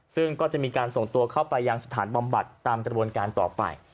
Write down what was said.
ซึ่งก็จะมีการส่งตัวเข้าไปยังสถานบำบัดตามกระบวนการต่อไป